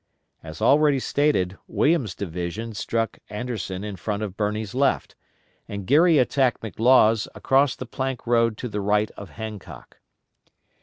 As already stated, Williams' division struck Anderson in front on Birney's left, and Geary attacked McLaws across the Plank Road to the right of Hancock.